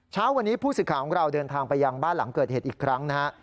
เช้าวันนี้ผู้สื่อข่าวของเราเดินทางไปยังบ้านหลังเกิดเหตุอีกครั้งนะฮะ